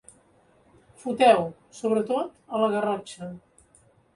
Foteu, sobretot a la Garrotxa.